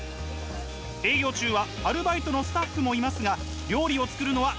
営業中はアルバイトのスタッフもいますが料理を作るのは